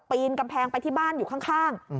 ปีนกำแพงไปที่บ้านอยู่ข้าง